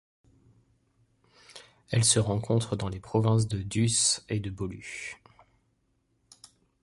Elle se rencontre dans les provinces de Düzce et de Bolu.